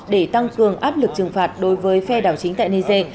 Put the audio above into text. để tăng cường áp lực trừng phạt đối với phe đảo chính tại niger